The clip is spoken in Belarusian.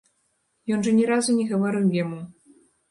Ён жа ні разу не гаварыў яму.